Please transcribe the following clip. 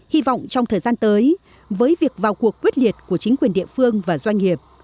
hy vọng trong thời gian tới với việc vào cuộc quyết liệt của chính quyền địa phương và doanh nghiệp